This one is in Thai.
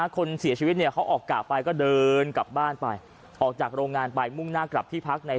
คนเสียชีวิตเขาออกกะไปก็เดินกลับบ้านไป